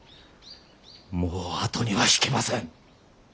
もう後には引けません。